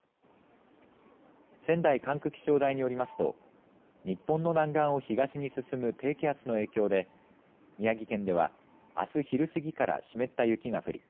仙台管区気象台によりますと日本の南岸を東に進む低気圧の影響で宮城県ではあす昼過ぎから湿った雪が降り